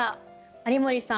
有森さん